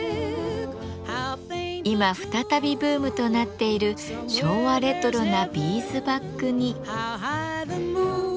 今再びブームとなっている昭和レトロなビーズバッグに。